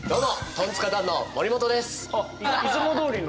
トンツカタンの森本です。